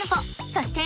そして！